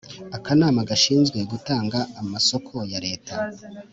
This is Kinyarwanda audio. Akanama gashinzwe gutanga amasoko ya Leta